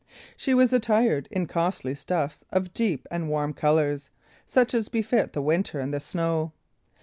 She was attired in costly stuffs of deep and warm colours, such as befit the winter and the snow.